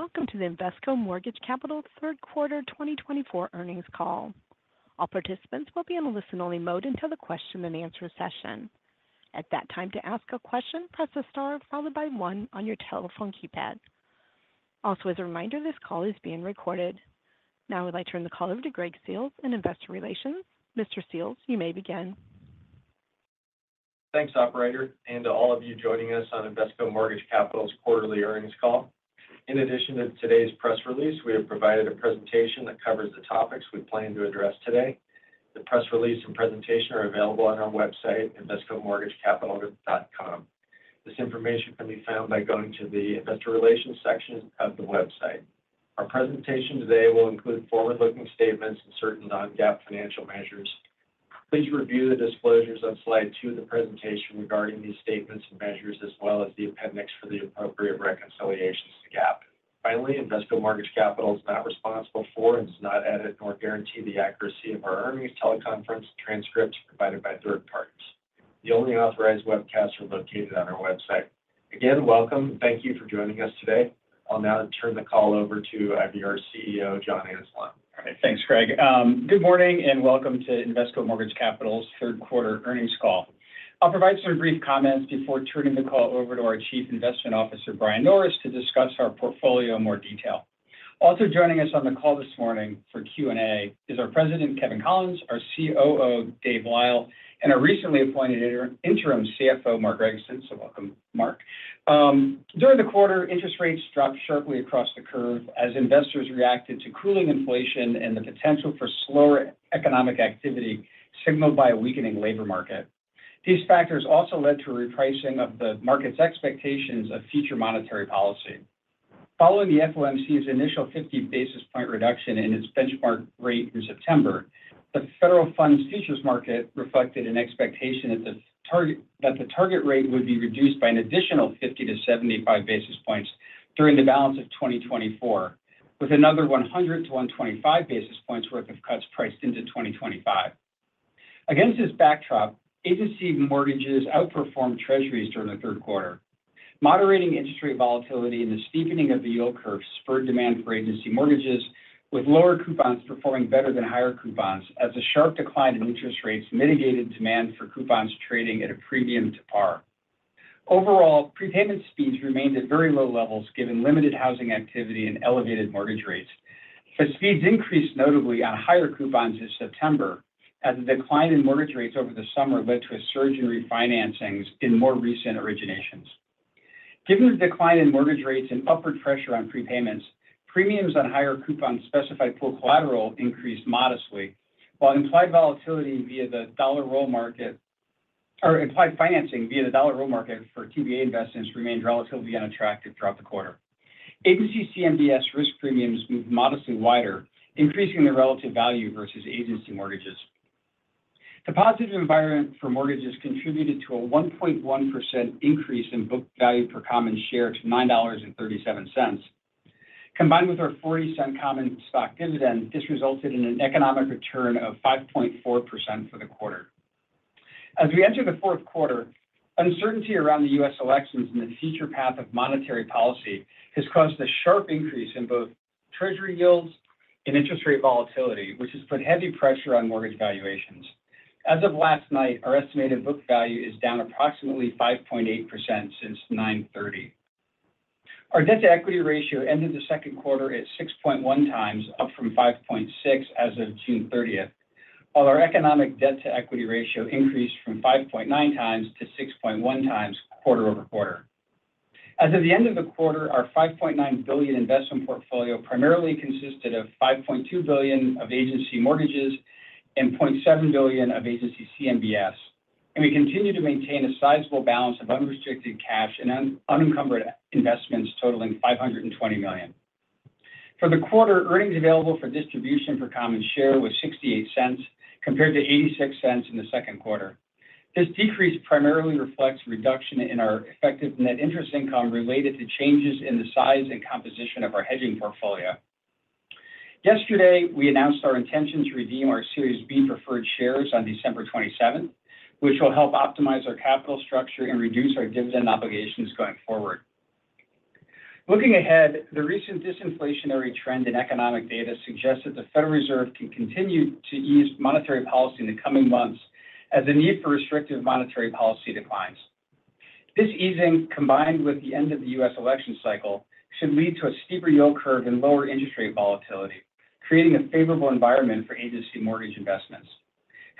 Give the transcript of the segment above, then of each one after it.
Welcome to the Invesco Mortgage Capital third quarter 2024 earnings call. All participants will be in a listen-only mode until the question-and-answer session. At that time, to ask a question, press the star followed by one on your telephone keypad. Also, as a reminder, this call is being recorded. Now I would like to turn the call over to Greg Seals in investor relations. Mr. Seals, you may begin. Thanks, operator, and to all of you joining us on Invesco Mortgage Capital's quarterly earnings call. In addition to today's press release, we have provided a presentation that covers the topics we plan to address today. The press release and presentation are available on our website, InvescoMortgageCapital.com. This information can be found by going to the investor relations section of the website. Our presentation today will include forward-looking statements and certain non-GAAP financial measures. Please review the disclosures on slide two of the presentation regarding these statements and measures, as well as the appendix for the appropriate reconciliations to GAAP. Finally, Invesco Mortgage Capital is not responsible for and does not edit nor guarantee the accuracy of our earnings teleconference transcripts provided by third parties. The only authorized webcasts are located on our website. Again, welcome and thank you for joining us today. I'll now turn the call over to IVR CEO, John Anzalone. All right, thanks, Greg. Good morning and welcome to Invesco Mortgage Capital's third quarter earnings call. I'll provide some brief comments before turning the call over to our Chief Investment Officer, Brian Norris, to discuss our portfolio in more detail. Also joining us on the call this morning for Q&A is our President, Kevin Collins, our COO, Dave Lyle, and our recently appointed interim CFO, Mark Gregson. So welcome, Mark. During the quarter, interest rates dropped sharply across the curve as investors reacted to cooling inflation and the potential for slower economic activity signaled by a weakening labor market. These factors also led to a repricing of the market's expectations of future monetary policy. Following the FOMC's initial 50 basis point reduction in its benchmark rate in September, the federal funds futures market reflected an expectation that the target rate would be reduced by an additional 50-75 basis points during the balance of 2024, with another 100-125 basis points' worth of cuts priced into 2025. Against this backdrop, agency mortgages outperformed treasuries during the third quarter. Moderating interest rate volatility and the steepening of the yield curve spurred demand for agency mortgages, with lower coupons performing better than higher coupons as a sharp decline in interest rates mitigated demand for coupons trading at a premium to par. Overall, prepayment speeds remained at very low levels given limited housing activity and elevated mortgage rates. But speeds increased notably on higher coupons in September, as the decline in mortgage rates over the summer led to a surge in refinancings in more recent originations. Given the decline in mortgage rates and upward pressure on prepayments, premiums on higher coupons specified pool collateral increased modestly, while implied volatility via the dollar roll market or implied financing via the dollar roll market for TBA investments remained relatively unattractive throughout the quarter. Agency CMBS risk premiums moved modestly wider, increasing the relative value versus agency mortgages. The positive environment for mortgages contributed to a 1.1% increase in book value per common share to $9.37. Combined with our $0.40 common stock dividend, this resulted in an economic return of 5.4% for the quarter. As we enter the fourth quarter, uncertainty around the U.S. Elections and the future path of monetary policy has caused a sharp increase in both treasury yields and interest rate volatility, which has put heavy pressure on mortgage valuations. As of last night, our estimated book value is down approximately 5.8% since 9/30. Our debt to equity ratio ended the second quarter at 6.1 times, up from 5.6 as of June 30, while our economic debt to equity ratio increased from 5.9 times to 6.1 times quarter-over-quarter. As of the end of the quarter, our $5.9 billion investment portfolio primarily consisted of $5.2 billion of agency mortgages and $0.7 billion of agency CMBS, and we continue to maintain a sizable balance of unrestricted cash and unencumbered investments totaling $520 million. For the quarter, earnings available for distribution per common share was $0.68, compared to $0.86 in the second quarter. This decrease primarily reflects a reduction in our effective net interest income related to changes in the size and composition of our hedging portfolio. Yesterday, we announced our intention to redeem our Series B preferred shares on December 27, which will help optimize our capital structure and reduce our dividend obligations going forward. Looking ahead, the recent disinflationary trend in economic data suggests that the Federal Reserve can continue to ease monetary policy in the coming months as the need for restrictive monetary policy declines. This easing, combined with the end of the U.S. election cycle, should lead to a steeper yield curve and lower interest rate volatility, creating a favorable environment for agency mortgage investments.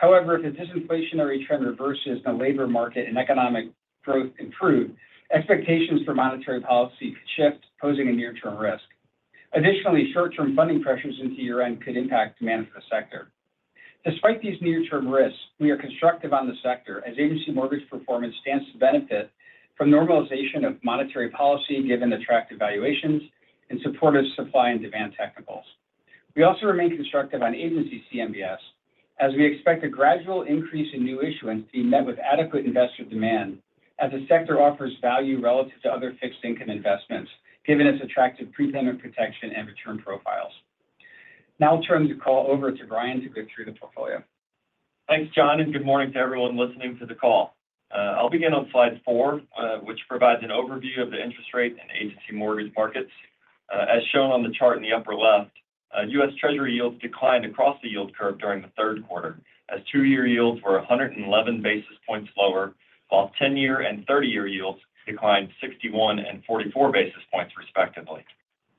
However, if the disinflationary trend reverses and the labor market and economic growth improve, expectations for monetary policy could shift, posing a near-term risk. Additionally, short-term funding pressures into year-end could impact demand for the sector. Despite these near-term risks, we are constructive on the sector as agency mortgage performance stands to benefit from normalization of monetary policy given attractive valuations and supportive supply and demand technicals. We also remain constructive on Agency CMBS as we expect a gradual increase in new issuance to be met with adequate investor demand as the sector offers value relative to other fixed income investments, given its attractive prepayment protection and return profiles. Now I'll turn the call over to Brian to go through the portfolio. Thanks, John, and good morning to everyone listening to the call. I'll begin on slide four, which provides an overview of the interest rate and agency mortgage markets. As shown on the chart in the upper left, U.S. Treasury yields declined across the yield curve during the third quarter as two-year yields were 111 basis points lower, while 10-year and 30-year yields declined 61 and 44 basis points, respectively.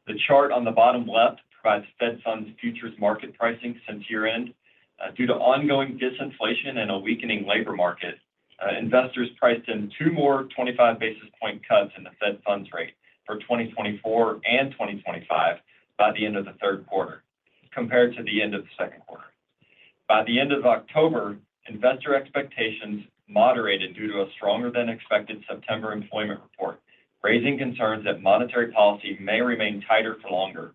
The chart on the bottom left provides Fed Funds futures market pricing since year-end. Due to ongoing disinflation and a weakening labor market, investors priced in two more 25 basis point cuts in the Fed Funds rate for 2024 and 2025 by the end of the third quarter, compared to the end of the second quarter. By the end of October, investor expectations moderated due to a stronger-than-expected September employment report, raising concerns that monetary policy may remain tighter for longer.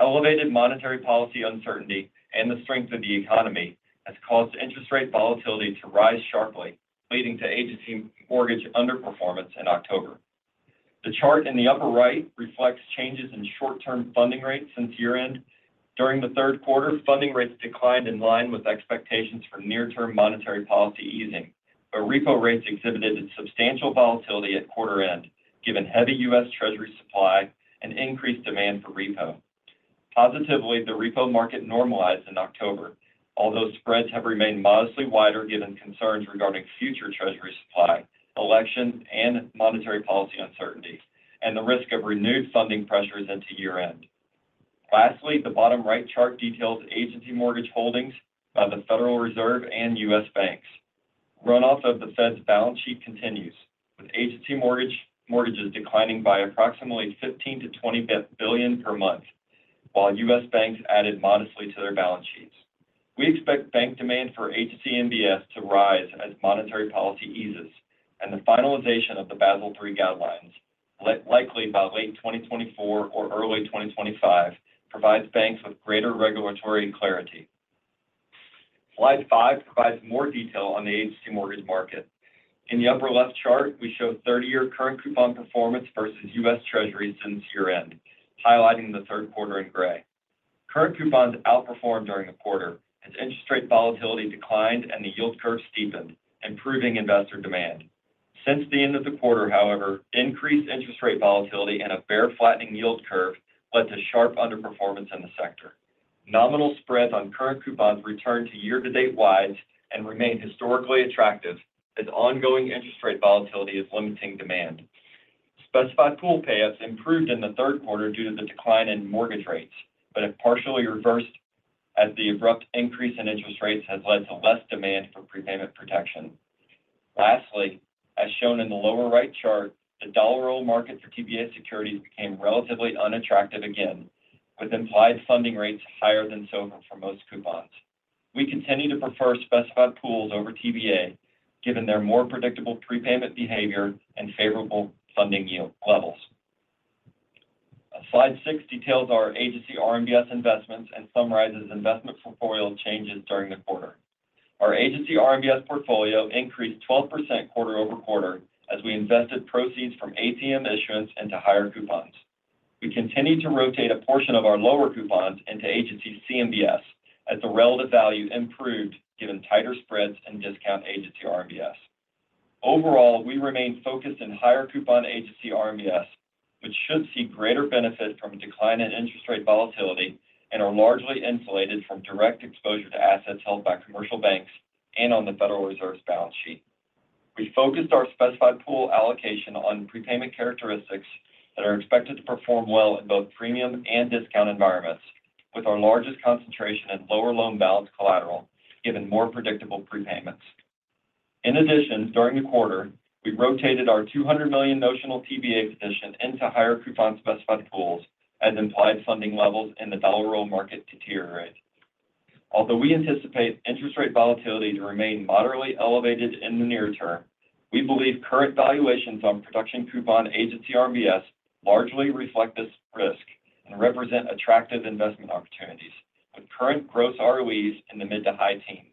Elevated monetary policy uncertainty and the strength of the economy has caused interest rate volatility to rise sharply, leading to agency mortgage underperformance in October. The chart in the upper right reflects changes in short-term funding rates since year-end. During the third quarter, funding rates declined in line with expectations for near-term monetary policy easing, but repo rates exhibited substantial volatility at quarter-end, given heavy U.S. Treasury supply and increased demand for repo. Positively, the repo market normalized in October, although spreads have remained modestly wider given concerns regarding future treasury supply, election, and monetary policy uncertainty, and the risk of renewed funding pressures into year-end. Lastly, the bottom right chart details agency mortgage holdings by the Federal Reserve and U.S. banks. Runoff of the Fed's balance sheet continues, with agency mortgages declining by approximately $15 billion-$20 billion per month, while U.S. banks added modestly to their balance sheets. We expect bank demand for agency MBS to rise as monetary policy eases, and the finalization of the Basel III guidelines, likely by late 2024 or early 2025, provides banks with greater regulatory clarity. Slide five provides more detail on the agency mortgage market. In the upper left chart, we show 30-year current coupon performance versus U.S. Treasuries since year-end, highlighting the third quarter in gray. Current coupons outperformed during the quarter as interest rate volatility declined and the yield curve steepened, improving investor demand. Since the end of the quarter, however, increased interest rate volatility and a bear-flattening yield curve led to sharp underperformance in the sector. Nominal spreads on current coupons returned to year-to-date wides and remain historically attractive as ongoing interest rate volatility is limiting demand. Specified pools payouts improved in the third quarter due to the decline in mortgage rates, but have partially reversed as the abrupt increase in interest rates has led to less demand for prepayment protection. Lastly, as shown in the lower right chart, the dollar roll market for TBA securities became relatively unattractive again, with implied funding rates higher than SOFR most coupons. We continue to prefer specified pools over TBA, given their more predictable prepayment behavior and favorable funding yield levels. Slide six details our Agency RMBS investments and summarizes investment portfolio changes during the quarter. Our Agency RMBS portfolio increased 12% quarter-over-quarter as we invested proceeds from ATM issuance into higher coupons. We continue to rotate a portion of our lower coupons into Agency CMBS as the relative value improved given tighter spreads and discounted Agency RMBS. Overall, we remain focused in higher coupon agency RMBS, which should see greater benefit from a decline in interest rate volatility and are largely insulated from direct exposure to assets held by commercial banks and on the Federal Reserve's balance sheet. We focused our specified pool allocation on prepayment characteristics that are expected to perform well in both premium and discount environments, with our largest concentration in lower loan balance collateral, given more predictable prepayments. In addition, during the quarter, we rotated our $200 million notional TBA position into higher coupon specified pools as implied funding levels in the dollar roll market deteriorate. Although we anticipate interest rate volatility to remain moderately elevated in the near term, we believe current valuations on production coupon agency RMBS largely reflect this risk and represent attractive investment opportunities, with current gross ROEs in the mid to high teens.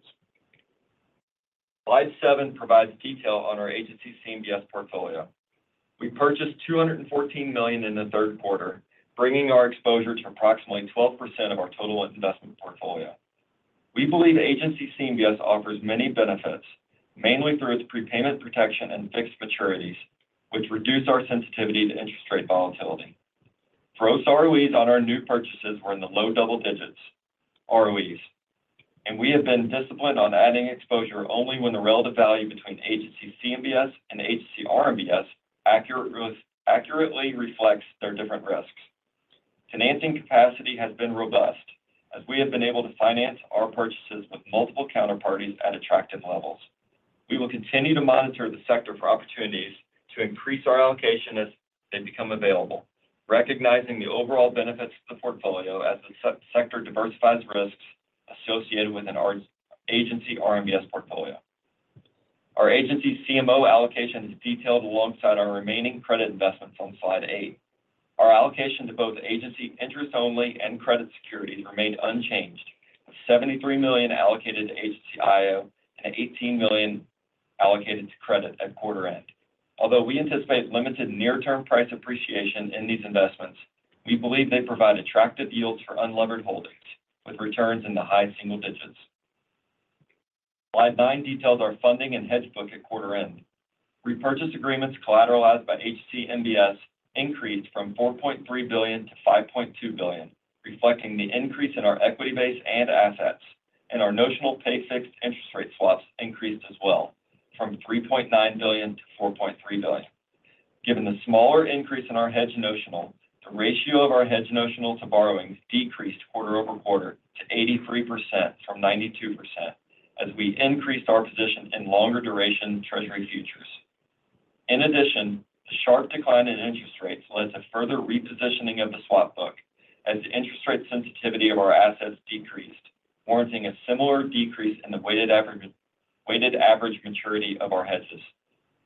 Slide seven provides detail on our agency CMBS portfolio. We purchased $214 million in the third quarter, bringing our exposure to approximately 12% of our total investment portfolio. We believe agency CMBS offers many benefits, mainly through its prepayment protection and fixed maturities, which reduce our sensitivity to interest rate volatility. Gross ROEs on our new purchases were in the low double digits ROEs, and we have been disciplined on adding exposure only when the relative value between agency CMBS and agency RMBS accurately reflects their different risks. Financing capacity has been robust, as we have been able to finance our purchases with multiple counterparties at attractive levels. We will continue to monitor the sector for opportunities to increase our allocation as they become available, recognizing the overall benefits of the portfolio as the sector diversifies risks associated with an agency RMBS portfolio. Our agency CMO allocation is detailed alongside our remaining credit investments on slide eight. Our allocation to both agency interest-only and credit securities remained unchanged, with $73 million allocated to agency IO and $18 million allocated to credit at quarter-end. Although we anticipate limited near-term price appreciation in these investments, we believe they provide attractive yields for unlevered holdings, with returns in the high single digits. Slide nine details our funding and hedge book at quarter-end. Repurchase agreements collateralized by agency RMBS increased from $4.3 billion-$5.2 billion, reflecting the increase in our equity base and assets, and our notional pay-fixed interest rate swaps increased as well from $3.9 billion-$4.3 billion. Given the smaller increase in our hedge notional, the ratio of our hedge notional to borrowings decreased quarter-over-quarter to 83% from 92% as we increased our position in longer duration treasury futures. In addition, the sharp decline in interest rates led to further repositioning of the swap book as the interest rate sensitivity of our assets decreased, warranting a similar decrease in the weighted average maturity of our hedges.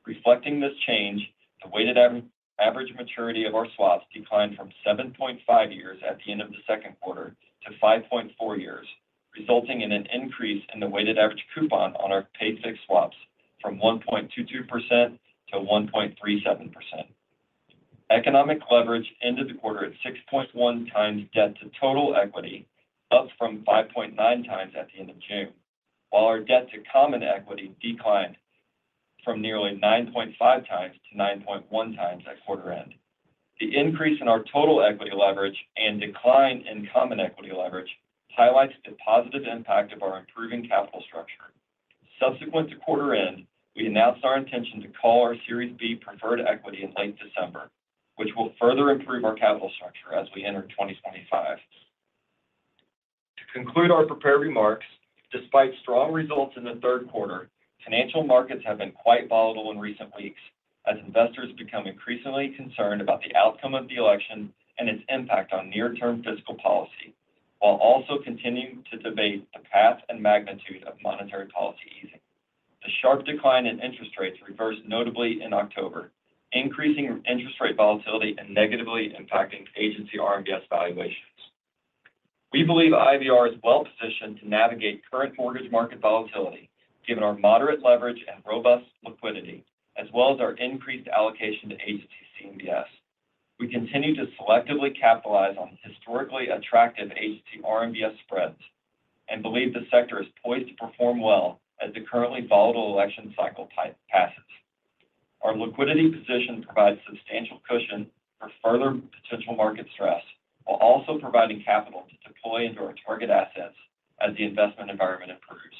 Reflecting this change, the weighted average maturity of our swaps declined from 7.5 years at the end of the second quarter to 5.4 years, resulting in an increase in the weighted average coupon on our pay-fixed swaps from 1.22% to 1.37%. Economic leverage ended the quarter at 6.1 times debt to total equity, up from 5.9 times at the end of June, while our debt to common equity declined from nearly 9.5 times to 9.1 times at quarter-end. The increase in our total equity leverage and decline in common equity leverage highlights the positive impact of our improving capital structure. Subsequent to quarter-end, we announced our intention to call our Series B preferred equity in late December, which will further improve our capital structure as we enter 2025. To conclude our prepared remarks, despite strong results in the third quarter, financial markets have been quite volatile in recent weeks as investors become increasingly concerned about the outcome of the election and its impact on near-term fiscal policy, while also continuing to debate the path and magnitude of monetary policy easing. The sharp decline in interest rates reversed notably in October, increasing interest rate volatility and negatively impacting agency RMBS valuations. We believe IVR is well positioned to navigate current mortgage market volatility, given our moderate leverage and robust liquidity, as well as our increased allocation to agency CMBS. We continue to selectively capitalize on historically attractive Agency RMBS spreads and believe the sector is poised to perform well as the currently volatile election cycle passes. Our liquidity position provides substantial cushion for further potential market stress while also providing capital to deploy into our target assets as the investment environment improves.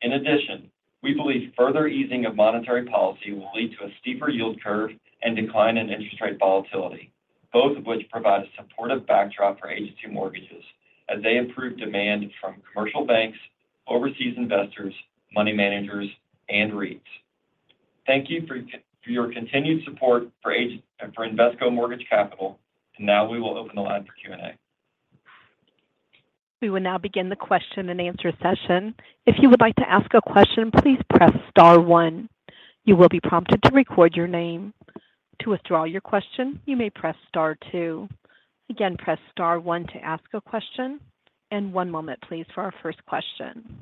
In addition, we believe further easing of monetary policy will lead to a steeper yield curve and decline in interest rate volatility, both of which provide a supportive backdrop for agency mortgages as they improve demand from commercial banks, overseas investors, money managers, and REITs. Thank you for your continued support for Invesco Mortgage Capital, and now we will open the line for Q&A. We will now begin the question and answer session. If you would like to ask a question, please press star one. You will be prompted to record your name. To withdraw your question, you may press star two. Again, press star one to ask a question, and one moment, please, for our first question.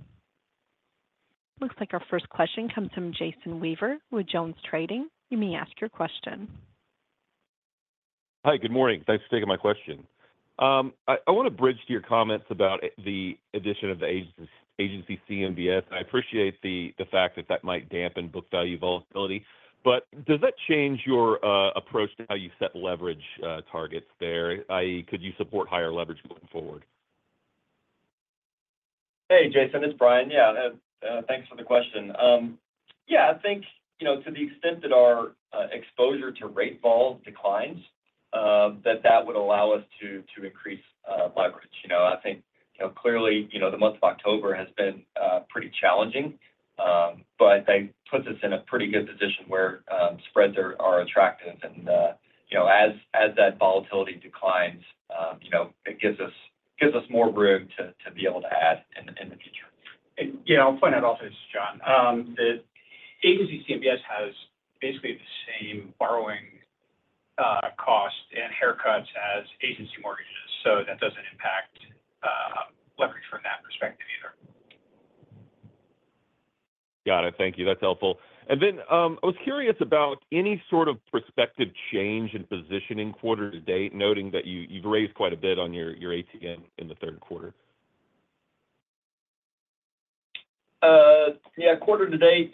Looks like our first question comes from Jason Weaver with JonesTrading. You may ask your question. Hi, good morning. Thanks for taking my question. I want to bridge to your comments about the addition of the Agency CMBS. I appreciate the fact that that might dampen book value volatility, but does that change your approach to how you set leverage targets there? I.e., could you support higher leverage going forward? Hey, Jason, it's Brian. Yeah, thanks for the question. Yeah, I think to the extent that our exposure to rate vol declines, that that would allow us to increase leverage. I think clearly the month of October has been pretty challenging, but they put us in a pretty good position where spreads are attractive. And as that volatility declines, it gives us more room to be able to add in the future. Yeah, I'll point out also, John, that Agency CMBS has basically the same borrowing cost and haircuts as agency mortgages, so that doesn't impact leverage from that perspective either. Got it. Thank you. That's helpful. And then I was curious about any sort of prospective change in position in quarter to date, noting that you've raised quite a bit on your ATM in the third quarter. Yeah, quarter to date,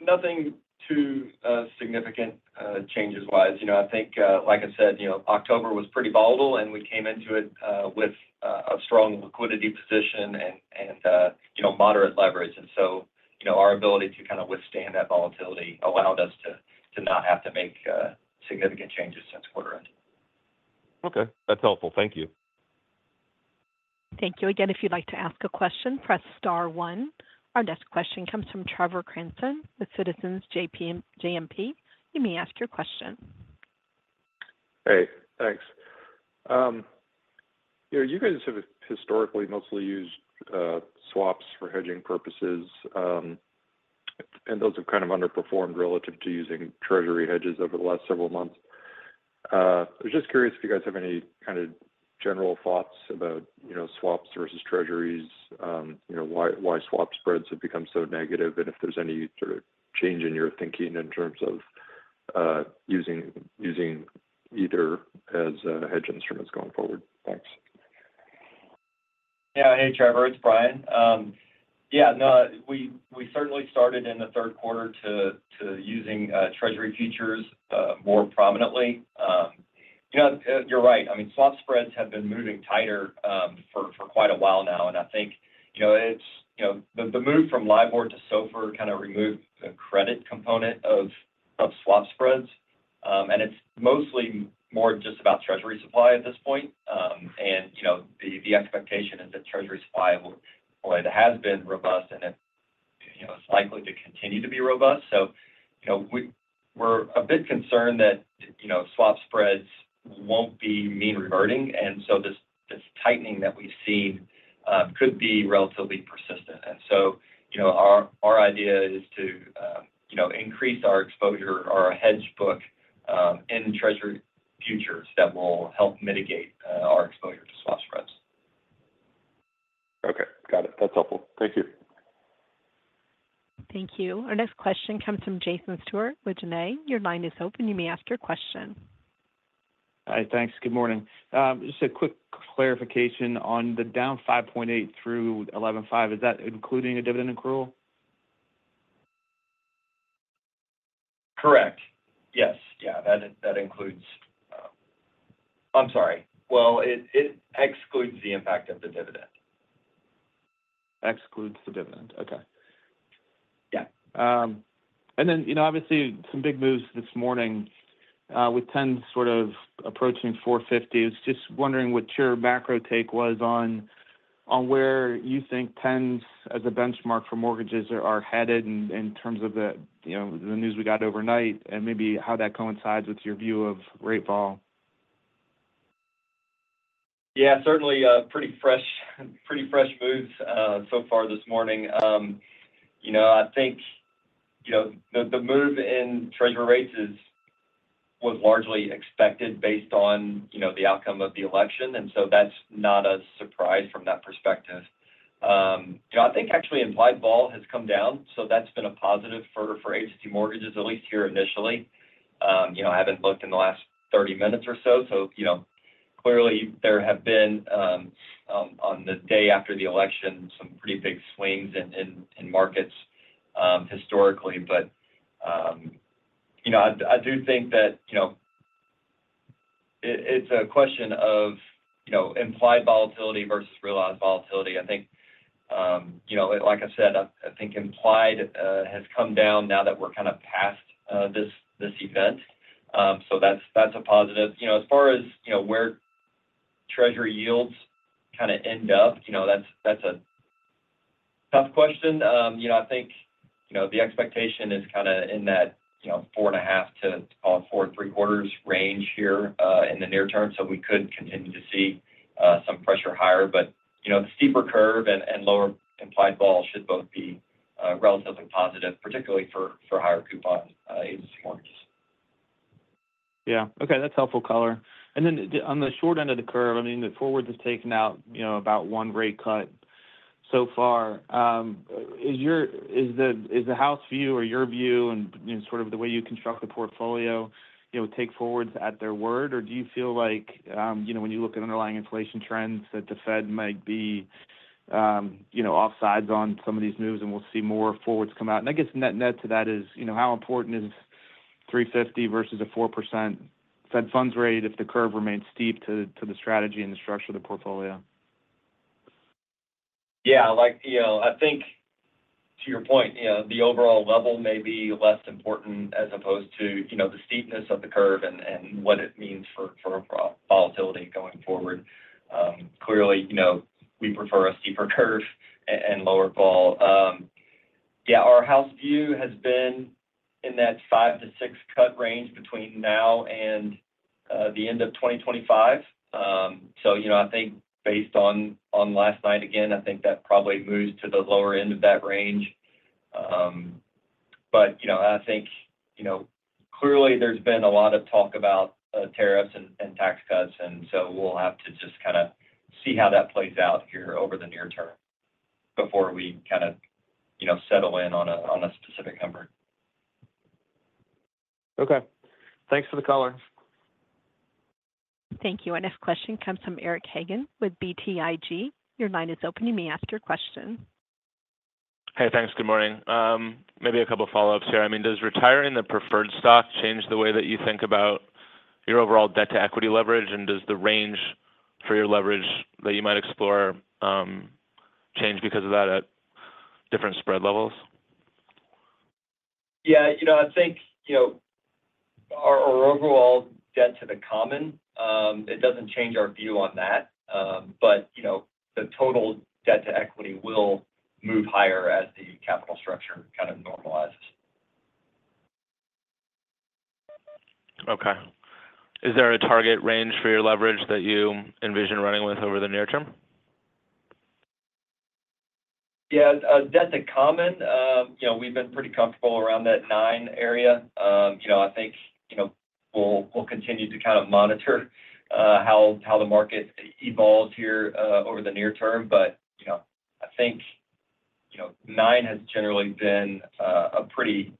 nothing too significant changes-wise. I think, like I said, October was pretty volatile, and we came into it with a strong liquidity position and moderate leverage. And so our ability to kind of withstand that volatility allowed us to not have to make significant changes since quarter-end. Okay. That's helpful. Thank you. Thank you. Again, if you'd like to ask a question, press star one. Our next question comes from Trevor Cranston with Citizens JMP. You may ask your question. Hey, thanks. You guys have historically mostly used swaps for hedging purposes, and those have kind of underperformed relative to using treasury hedges over the last several months. I was just curious if you guys have any kind of general thoughts about swaps versus treasuries, why swap spreads have become so negative, and if there's any sort of change in your thinking in terms of using either as hedge instruments going forward. Thanks. Yeah. Hey, Trevor, it's Brian. Yeah, no, we certainly started in the third quarter to using Treasury futures more prominently. You're right. I mean, swap spreads have been moving tighter for quite a while now, and I think the move from LIBOR to SOFR kind of removed the credit component of swap spreads, and it's mostly more just about Treasury supply at this point. And the expectation is that Treasury supply has been robust, and it's likely to continue to be robust. So we're a bit concerned that swap spreads won't be mean reverting, and so this tightening that we've seen could be relatively persistent. And so our idea is to increase our exposure, our hedge book in Treasury futures that will help mitigate our exposure to swap spreads. Okay. Got it. That's helpful. Thank you. Thank you. Our next question comes from Jason Stewart with Janney. Your line is open. You may ask your question. Hi, thanks. Good morning. Just a quick clarification on the down 5.8-11.5, is that including a dividend accrual? Correct. Yes. Yeah, that includes. I'm sorry. Well, it excludes the impact of the dividend. Excludes the dividend. Okay. Yeah. Then obviously some big moves this morning with 10s sort of approaching 450. I was just wondering what your macro take was on where you think 10s as a benchmark for mortgages are headed in terms of the news we got overnight and maybe how that coincides with your view of rate vol? Yeah, certainly pretty fresh moves so far this morning. I think the move in treasury rates was largely expected based on the outcome of the election, and so that's not a surprise from that perspective. I think actually implied vol has come down, so that's been a positive for agency mortgages, at least here initially. I haven't looked in the last 30 minutes or so, so clearly there have been, on the day after the election, some pretty big swings in markets historically. But I do think that it's a question of implied volatility versus realized volatility. I think, like I said, I think implied has come down now that we're kind of past this event, so that's a positive. As far as where treasury yields kind of end up, that's a tough question. I think the expectation is kind of in that 4.5%-4.75% range here in the near term, so we could continue to see some pressure higher. But the steeper curve and lower implied vol should both be relatively positive, particularly for higher coupon agency mortgages. Yeah. Okay. That's helpful color. And then on the short end of the curve, I mean, the forwards have taken out about one rate cut so far. Is the House view or your view and sort of the way you construct the portfolio take forwards at their word, or do you feel like when you look at underlying inflation trends that the Fed might be offsides on some of these moves and we'll see more forwards come out? And I guess net to that is how important is 350 versus a 4% Fed funds rate if the curve remains steep to the strategy and the structure of the portfolio? Yeah. I think to your point, the overall level may be less important as opposed to the steepness of the curve and what it means for volatility going forward. Clearly, we prefer a steeper curve and lower vol. Yeah, our House view has been in that five to six cut range between now and the end of 2025. So I think based on last night again, I think that probably moves to the lower end of that range. But I think clearly there's been a lot of talk about tariffs and tax cuts, and so we'll have to just kind of see how that plays out here over the near term before we kind of settle in on a specific number. Okay. Thanks for the color. Thank you. Our next question comes from Eric Hagen with BTIG. Your line is open. You may ask your question. Hey, thanks. Good morning. Maybe a couple of follow-ups here. I mean, does retiring the preferred stock change the way that you think about your overall debt to equity leverage, and does the range for your leverage that you might explore change because of that at different spread levels? Yeah. I think our overall debt to the common, it doesn't change our view on that, but the total debt to equity will move higher as the capital structure kind of normalizes. Okay. Is there a target range for your leverage that you envision running with over the near term? Yeah. Debt to common, we've been pretty comfortable around that nine area. I think we'll continue to kind of monitor how the market evolves here over the near term, but I think nine has generally been a pretty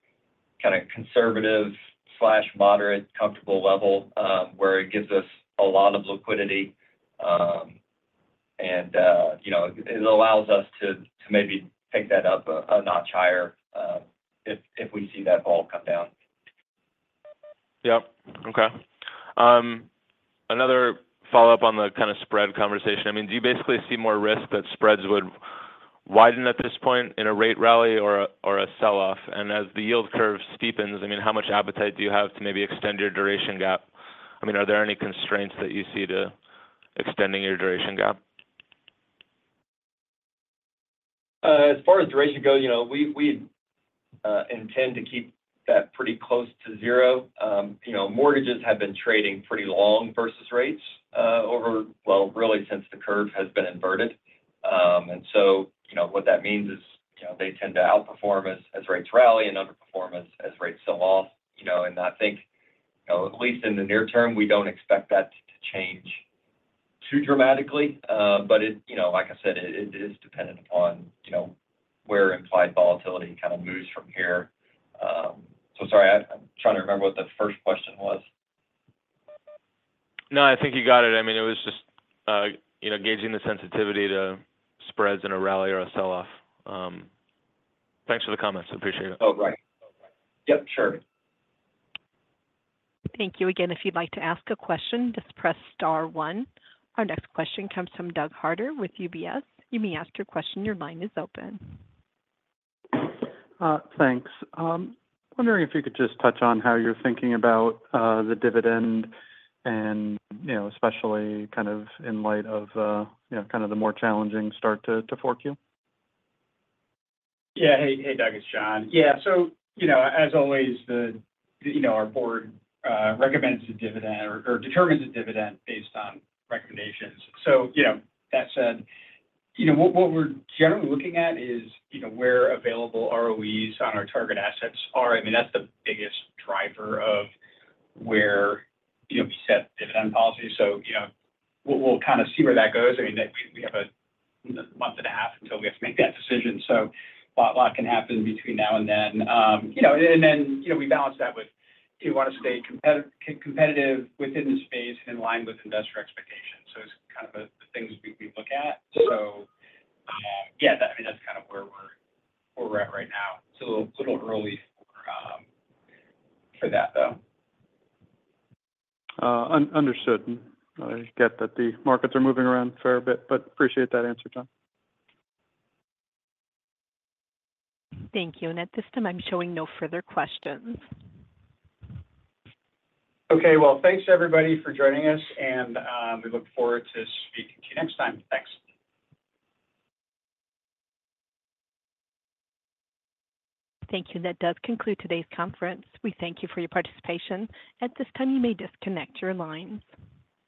kind of conservative/moderate comfortable level where it gives us a lot of liquidity, and it allows us to maybe pick that up a notch higher if we see that vol come down. Yep. Okay. Another follow-up on the kind of spread conversation. I mean, do you basically see more risk that spreads would widen at this point in a rate rally or a sell-off? And as the yield curve steepens, I mean, how much appetite do you have to maybe extend your duration gap? I mean, are there any constraints that you see to extending your duration gap? As far as duration goes, we intend to keep that pretty close to zero. Mortgages have been trading pretty long versus rates over, well, really since the curve has been inverted. And so what that means is they tend to outperform as rates rally and underperform as rates sell off. And I think, at least in the near term, we don't expect that to change too dramatically, but like I said, it is dependent upon where implied volatility kind of moves from here. So sorry, I'm trying to remember what the first question was. No, I think you got it. I mean, it was just gauging the sensitivity to spreads in a rally or a sell-off. Thanks for the comments. Appreciate it. Oh, right. Yep. Sure. Thank you again. If you'd like to ask a question, just press star one. Our next question comes from Doug Harter with UBS. You may ask your question. Your line is open. Thanks. Wondering if you could just touch on how you're thinking about the dividend and especially kind of in light of kind of the more challenging start to FY24? Yeah. Hey, Doug, it's John. Yeah. So as always, our board recommends a dividend or determines a dividend based on recommendations. So that said, what we're generally looking at is where available ROEs on our target assets are. I mean, that's the biggest driver of where we set dividend policy. So we'll kind of see where that goes. I mean, we have a month and a half until we have to make that decision. So a lot can happen between now and then, and then we balance that with, do you want to stay competitive within the space and in line with investor expectations? So it's kind of the things we look at. So yeah, I mean, that's kind of where we're at right now. It's a little early for that, though. Understood. I get that the markets are moving around a fair bit, but appreciate that answer, John. Thank you. At this time, I'm showing no further questions. Okay. Thanks, everybody, for joining us, and we look forward to speaking to you next time. Thanks. Thank you. That does conclude today's conference. We thank you for your participation. At this time, you may disconnect your lines.